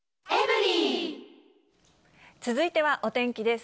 続いてはお天気です。